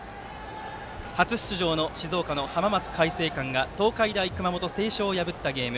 初出場の静岡の浜松開誠館が東海大熊本星翔を破ったゲーム。